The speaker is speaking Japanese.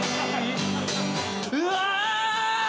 「うわ！」